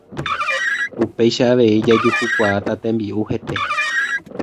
Upéicha avei jajuhukuaáta tembi'u hete